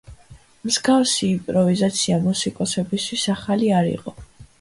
მსგავსი იმპროვიზაცია მუსიკოსებისთვის ახალი არ იყო.